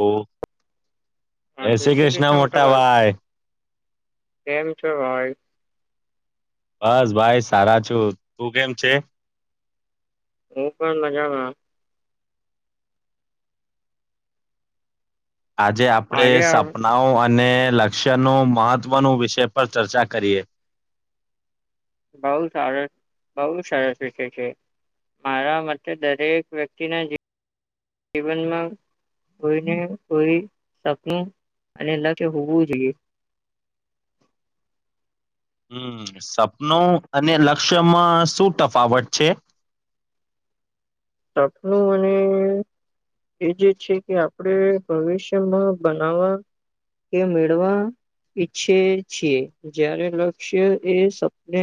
હમ. હા જય એસે શ્રી કૃષ્ણ મોટા મોટાભાઈ ભાઇ કેમ છો ભાઈ બસ ભાઈ સારા છું તું કેમ છે હું પણ મજામાં આજે આપણે આજે આપ સપનાઓ અને લક્ષ્યનું મહત્વનું વિષય પર ચર્ચા કરીએ બહુ સારો બહુ સરસ વિષય છે મારા મતે દરેક વ્યક્તિના જીવનમાં કોઈને કોઈ સપનું અને લક્ષ્ય હોવું જોઈએ હમ સપનું અને લક્ષ્યમાં શું તફાવત છે સપનું અને એ જે છે કે આપણે ભવિષ્યમાં બનાવવા કે મેળવા ઈચ્છે છીએ જ્યારે લક્ષ્ય એ સપને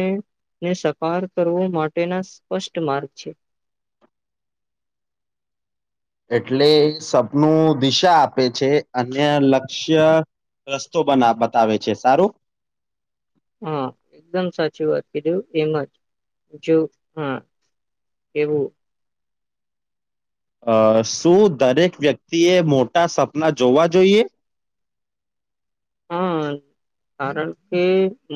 ને સકાર કરવો માટેના સ્પષ્ટ માર્ગ છે એટલે સપનું દિશા આપે છે અને લક્ષ્ય રસ્તો બના બતાવે છે સારું હા એકદમ સાચી વાત કીધું એમ જ જો હા એવું અ શું દરેક વ્યક્તિએ મોટા સપના જોવા જોઈએ હા કારણ કે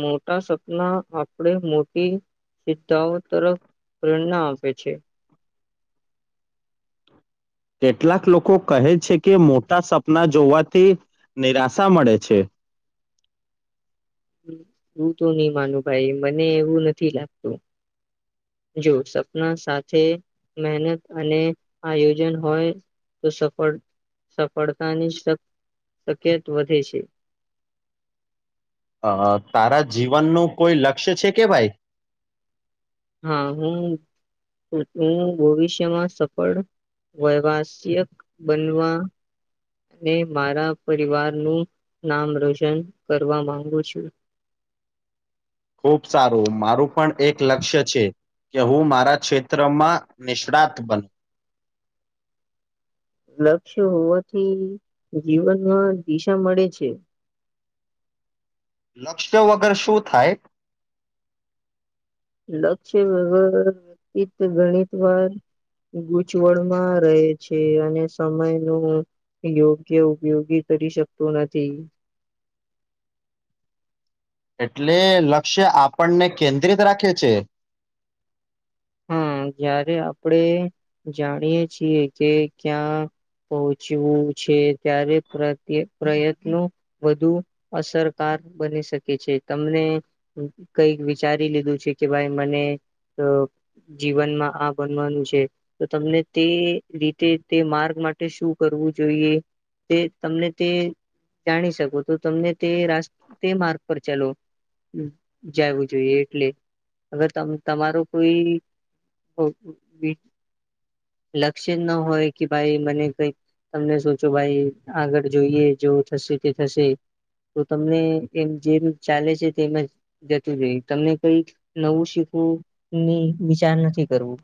મોટા સપના આપણે મોટી સિદ્ધાઓ તરફ પ્રેરણા આપે છે કેટલાક લોકો કહે છે કે મોટા સપના જોવાથી નિરાશા મળે છે તું તો નહી માનું ભાઈ મને એવું નથી લાગતું જો સપના સાથે મહેનત અને આયોજન હોય તો સફળ સફળતાની શક શક્યત વધે છે અ તારા જીવનનું કોઈ લક્ષ્ય છે કે ભાઈ હા હું હું ભવિષ્યમાં સફળ વ્યવસાયિક બનવા મેં મારા પરિવારનું નામ રોશન કરવા માંગુ છું. ખુબ સારું મારું પણ એક લક્ષ્ય છે કે હું મારા ક્ષેત્રમાં નિષ્ણાત બનું લક્ષ્ય હોવાથી જીવનમાં દિશા મળે છે. લક્ષ્ય વગર શું થાય લક્ષ્ય વગર વ્યક્તિ ગણિત વાર ગૂચવળમાં રહે છે અને સમય નું યોગ્ય ઉપયોગી કરી શકતું નથી. એટલે લક્ષ્ય આપણને કેન્દ્રિત રાખે છે હા જ્યારે આપણે જાણીએ છીએ કે ક્યાં પહોંચવું છે ત્યારે પ્રત્ય પ્રયત્નો વધુ અસરકાર બની શકે છે તમને કઈક વિચારી લીધું છે કે ભાઈ મને અ જીવનમાં આ બનવાનું છે તો તમને તે રીતે તે માર્ગ માટે શું કરવું જોઈએ તે તમને તે જાણી શકો તો તમને તે રાસ તે માર્ગ પર ચાલો જવું જોઈએ એટલે અગર તમ તમારો કોઈ લક્ષ્ય જ ન હોય કે ભાઈ મને કઈક તમને સોચો ભાઈ આગળ જોઈએ જો થશે તે થશે તો તમને એમ જેમ ચાલે છે તેમ જ જતું રહી તમને કઈ નવું શીખવું ની વિચાર નથી કરવું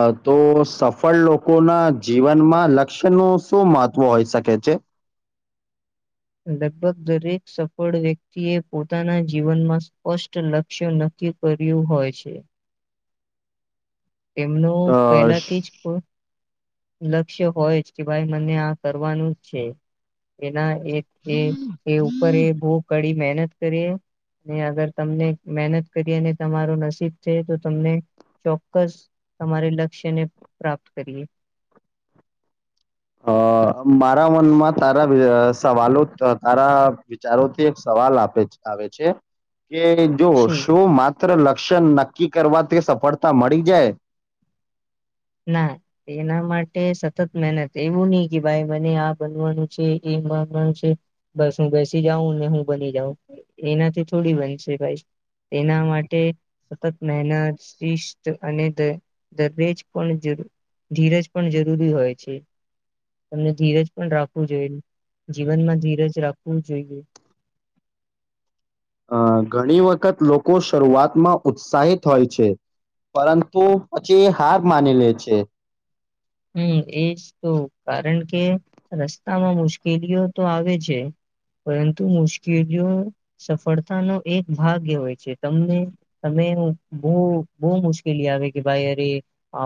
અ તો સફળ લોકોના જીવનમાં લક્ષ્યનું શું મહત્વ હોઈ શકે છે લગભગ દરેક સફળ વ્યક્તિ એ પોતાના જીવનમાં સ્પષ્ટ લક્ષ્ય નક્કી કર્યું હોય છે તેમનું અ પહેલાથી જ લક્ષ્ય હોય જ કે ભાઈ મને આ કરવાનું છે એના એ એ એ ઉપર એ બહુ કડી મહેનત કરીએ ને અગર તમને મહેનત કરી અને તમારું નસીબ છે તો તમને ચોક્કસ તમારે લક્ષ્યને પ્રાપ્ત કરીએ અ મારા મનમાં તારા વિ- સવાલો તારા વિચારોથી એક સવાલ આપે આવે છે કે જો શું શું માત્ર લક્ષ્ય નક્કી કરવાથી સફળતા મળી જાય ના એના માટે સતત મહેનત એવું નહી કે ભાઈ મને આ બનવાનું છે એ બનવાનું છે બસ હું બેસી જાઉં ને હું બની જાઉં એનાથી થોડી બનશે ભાઈ તેના માટે સતત મહેનત શિસ્ત અને દરેજ પણ જરૂર ધીરજ પણ જરૂરી હોય છે તમને ધીરજ પણ રાખવું જોઈએ. જીવનમાં ધીરજ રાખવું જોઈએ અ ઘણી વખત લોકો શરૂઆતમાં ઉત્સાહિત હોય છે પરંતુ પછી હાર માની લે છે હમ એજ તો કારણ કે રસ્તામાં મુશ્કેલીઓ તો આવે છે પરંતુ મુશ્કેલીઓ સફળતાનો એક ભાગ્ય હોય છે તમને તમે બહુ બહુ મુશ્કેલી આવે કે ભાઈ અરે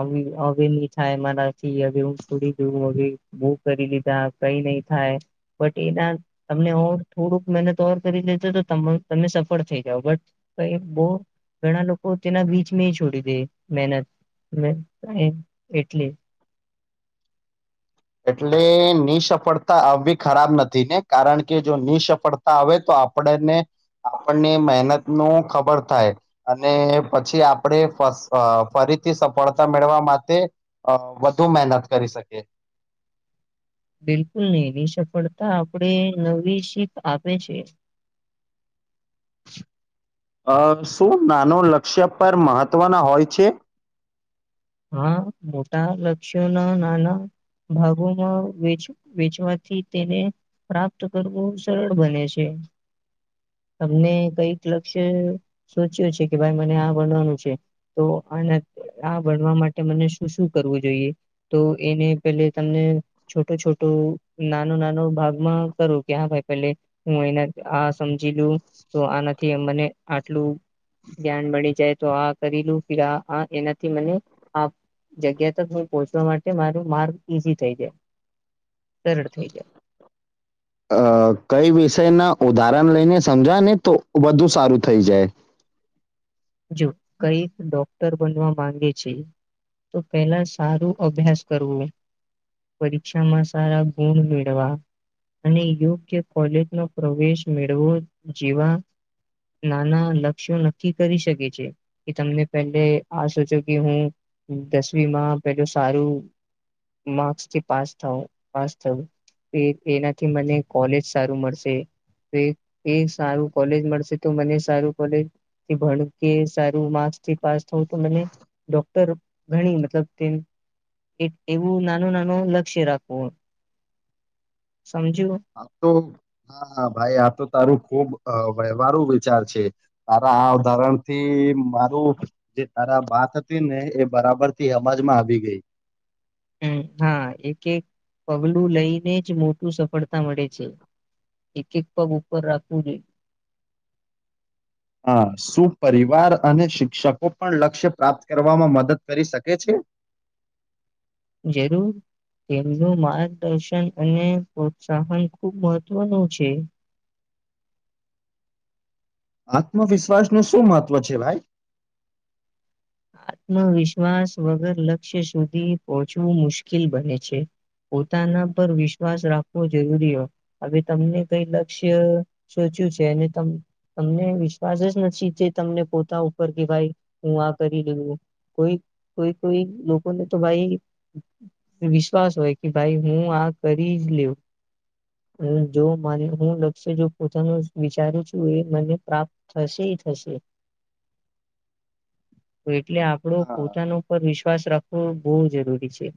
આવી હવે નહી થાય મારાથી હવે હું છોડી દઉં હવે બહુ કરી લીધા કઈ નહી થાય બટ એના તમને ઓર થોડુંક મહેનત ઓર કરી લેજો તો તમ તમે સફળ થઈ જાઓ બટ એ બહુ ઘણા લોકો તેના બીચમાં છોડી દે મહેનત એટલે એટલે નિસફળતા આવવી ખરાબ નથી ને કારણ કે જો નિસફળતા આવે તો આપણને આપણને મહેનત નું ખબર થાય અને પછી આપણે ફસ અ, ફરીથી સફળતા મેળવવા માટે અ વધુ મહેનત કરી શકે બિલકુલ નહી એની સફળતા આપણે નવી શીખ આપે છે અ શું નાનું લક્ષ્ય પર મહત્વના હોય છે હા મોટા લક્ષ્યોના નાના ભાગોમાં વેચ વેચવાથી તેને પ્રાપ્ત કરવું સરળ બને છે તમને કઈક લક્ષ્ય સોચ્યો છે કે ભાઈ મને આ બનવાનું છે તો આના આ બનવા માટે મને શું શું કરવું જોઈએ તો એને પેલે તમને છોટો છોટો નાનો નાનો ભાગમાં કરો કે હા ભાઈ પેલે હું એને આ સમજી લઉ તો આનાથી મને આટલું જ્ઞાન મળી જાય તો આ કરી લઉ ફિર આ આ એનાથી મને આ જગ્યા તક હું પહોંચવા માટે મારો માર્ગ ઈઝી થઈ જાય સરળ થઈ જાય અ, કઈ વિષયના ઉદાહરણ લઈને સમજાવે ને તો વધુ સારું થઈ જાય જો કઈ ડોક્ટર બનવા માંગે છે તો પેલા સારું અભ્યાસ કરવું પરીક્ષામાં સારા ગુણ મેળવા અને યોગ્ય કોલેજનો પ્રવેશ મેળવો જેવા નાના લક્ષ્યો નક્કી કરી શકે છે કે તમને પેલે આ સોચો કે હું દસવીમાં પેલું સારું માર્ક્સથી પાસ થાવ પાસ થવું એ એનાથી મને કોલેજ સારું મળશે તો એ એ સારું કોલેજ મળશે તો મને સારું કોલેજ થી ભણ કે સારું માર્ક્સથી પાસ થવું તો મને ડોક્ટર ઘણી મતલબ તેમ એક એવું નાનું નાનું લક્ષ્ય રાખવું સમજ્યું આ તો હા હા ભાઈ આ તો તારું ખૂબ અ, વ્યવહારુ વિચાર છે તારા આ ઉદાહરણથી મારું જે તારા વાત હતી ને એ બરાબરથી સમજમાં આવી ગઈ હમ હા એક એક પગલું લઈને જ મોટું સફળતા મળે છે એક એક પગ ઉપર રાખવું હા શું પરિવાર અને શિક્ષકો પણ લક્ષ્ય પ્રાપ્ત કરવામાં મદદ કરી શકે છે જોઈએ જરૂર તેમનું માર્ગદર્શન અને પ્રોત્સાહન ખૂબ મહત્વનું છે આત્મવિશ્વાસનું શું મહત્વ છે ભાઈ આત્મવિશ્વાસ વગર લક્ષ્ય સુધી પહોંચવું મુશ્કેલ બને છે. પોતાના પર વિશ્વાસ રાખવો જરૂરી હો હવે તમને કઈ લક્ષ્ય સોચ્યું છે અને તમ તમને વિશ્વાસ જ નથી તે તમને પોતા ઉપર કે ભાઈ હું આ કરી લેવું કોઈ કોઈ કોઈ લોકોને તો ભાઈ વિશ્વાસ હોય કે ભાઈ હું આ કરી જ લેવ હું જો મને હું લક્ષ્ય જો પોતાનું વિચારું છું એ મને પ્રાપ્ત થશે થશે તો એટલે આપણો હા પોતાનો પર વિશ્વાસ રાખવો બહુ જરૂરી છે.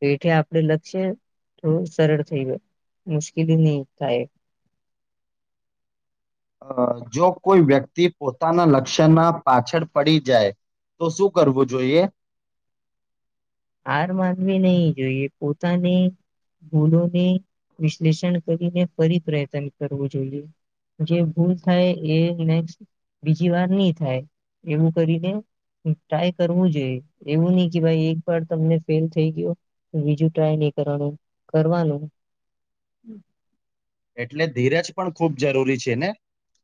તો એથી આપડે લક્ષ્ય થોડું સરળ થઈ ગયું. મુશ્કેલી નહી થાય અ, જો કોઈ વ્યક્તિ પોતાના લક્ષ્યના પાછળ પડી જાય તો શું કરવું જોઈએ હાર માનવી નહી જોઈએ પોતાની ભૂલોને વિશ્લેષણ કરીને ફરી પ્રયત્ન કરવું જોઈએ. જે ભૂલ થાય એ નેક્સ્ટ બીજી વાર નહી થાય એવું કરીને ટ્રાય કરવું જોઈએ એવું નહી કે ભાઈ એક વાર તમને ફેલ થઈ ગયો બીજું ટ્રાય નહી કરવાનું કરવાનું એટલે ધીરજ પણ ખૂબ જરૂરી છે ને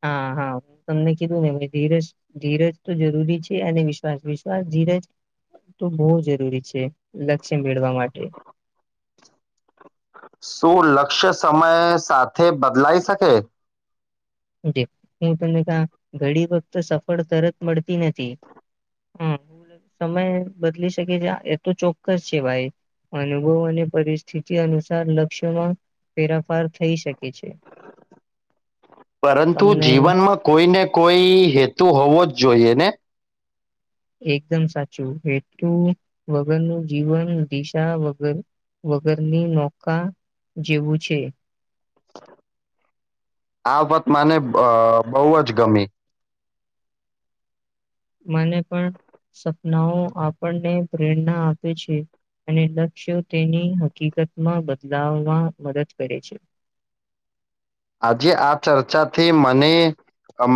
હા હા તમને કીધું ને ધીરજ ધીરજ તો જરૂરી છે અને વિશ્વાસ વિશ્વાસ ધીરજ તો બહુ જરૂરી છે લક્ષ્ય મેળવા માટે શું લક્ષ્ય સમય સાથે બદલાઈ શકે જે હું તમને ક ઘડી વખત સફળ તરત મળતી નથી હ સમય બદલી શકે છે એ તો ચોક્કસ છે ભાઈ અનુભવ અને પરિસ્થિતિ અનુસાર લક્ષ્યમાં ફેરાફાર થઈ શકે છે પરંતુ તમને જીવનમાં કોઈને કોઈ હેતુ હોવો જ જોઈએ ને એકદમ સાચું એટલું વગરનું જીવન દિશા વગર વગરની નૌકા જેવું છે આ વાત મને અ બહુ જ ગમી મને પણ સપનાઓ આપણને પ્રેરણા આપે છે. અને લક્ષ્યો તેની હકીકતમાં બદલાવમાં મદદ કરે છે. આજે આ ચર્ચાથી મને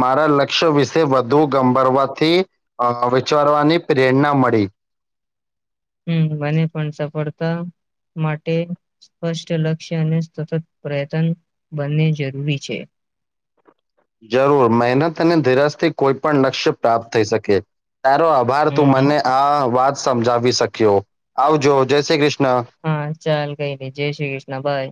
મારા લક્ષ્ય વિશે વધુ ગંભરવાથી અ વિચારવાની પ્રેરણા મળી હમ મને પણ સફળતા માટે સ્પષ્ટ લક્ષ્ય અને સતત પ્રયત્ન બંને જરૂરી છે. જરૂર મહેનત અને ધીરજથી કોઈ પણ લક્ષ્ય પ્રાપ્ત થઈ શકે તારો આભાર તું હમ મને આ વાત સમજાવી શક્યો આવજો જય શ્રી કૃષ્ણ હા ચાલ કઈ નઈ જય શ્રી કૃષ્ણ બાય.